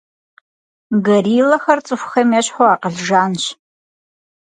Гориллэхэр цӏыхухэм ещхьу акъыл жанщ.